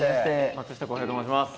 松下洸平と申します。